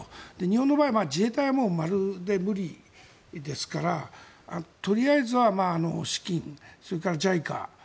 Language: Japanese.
日本の場合は自衛隊はまるで無理ですからとりあえずは資金それからＪＩＣＡ。